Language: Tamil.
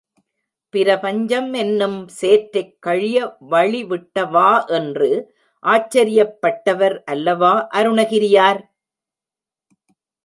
பிரபஞ்சம் என்னும் சேற்றைக் கழிய வழி விட்டவா என்று ஆச்சரியப்பட்டவர் அல்லவா அருணகிரியார்?